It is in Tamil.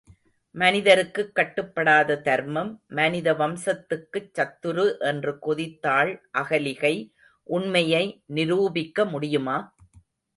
மனிதருக்குக் கட்டுப்படாத தர்மம், மனித வம்சத்துக்குச் சத்துரு என்று கொதித்தாள் அகலிகை உண்மையை நிரூபிக்க முடியுமா?